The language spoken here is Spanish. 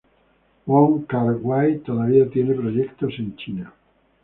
Wong Kar-wai todavía tiene proyectos en China.